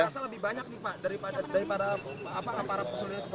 sejumlah penyidikan lebih banyak sih pak daripada para pesulunan kepolisian yang menjaga jaga pak